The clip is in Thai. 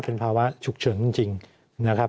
เป็นภาวะฉุกเฉินจริงนะครับ